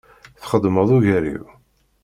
Txedmeḍ ugar-iw.